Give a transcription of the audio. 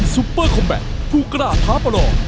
ซุปเปอร์คมแบตภูกระท้าประลอง